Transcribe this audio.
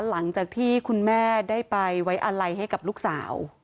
หลังจากที่คุณแม่ได้ไปไว้อะไรให้กับลูกสาว